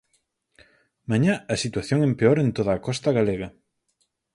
Mañá a situación empeora en toda a costa galega.